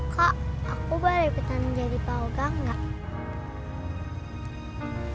kak aku balik ke tanah jadi pauga enggak